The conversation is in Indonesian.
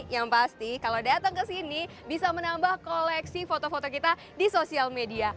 yang pasti kalau datang ke sini bisa menambah koleksi foto foto kita di sosial media